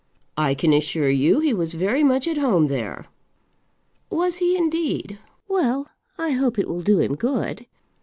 "I can assure you he was very much at home there." "Was he, indeed? Well, I hope it will do him good.